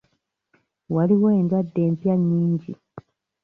Waliwo endwadde empya nnyingi.